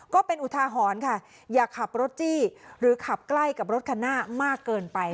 ก็เป็นอุทาหรณ์ค่ะอย่าขับรถจี้หรือขับใกล้กับรถคันหน้ามากเกินไป